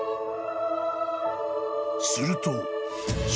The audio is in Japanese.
［すると］